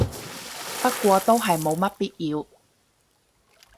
不過都係冇乜必要